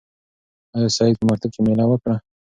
آیا سعید په مکتب کې مېله وکړه؟